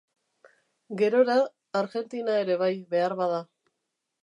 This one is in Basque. Gerora, Argentina ere bai beharbada.